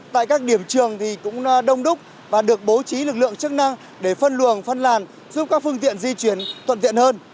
tại các điểm trường thì cũng đông đúc và được bố trí lực lượng chức năng để phân luồng phân làn giúp các phương tiện di chuyển thuận tiện hơn